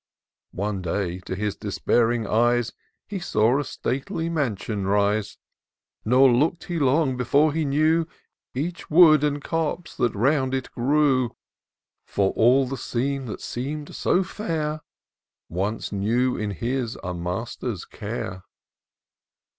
One day, to his despairing eyes. He saw a stately mansion rise ; Nor look'd he long before he knew Each wood and copse that round it grew ; For all the scene that seem'd so fair. Once knew in his a master's care.